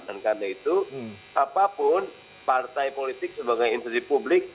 dan karena itu apapun partai politik sebagai institusi publik